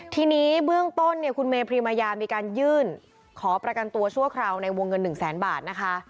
ทีนี้เบื้องต้นเนี่ยคุณเมพรีมายามีการยื่นขอประกันตัวชั่วคราวในวงเงิน๑แสนบาทนะคะ